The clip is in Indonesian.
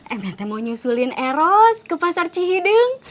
emet mau nyusulin eros ke pasar cihideng